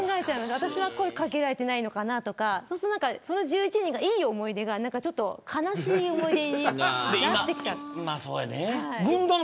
私は声掛けられていないのかなとか１１人のいい思い出が悲しい思い出になっちゃう。